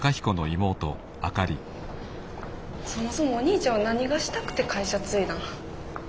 そもそもお兄ちゃんは何がしたくて会社継いだん？